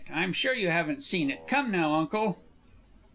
I'm sure you haven't seen it. Come now, Uncle!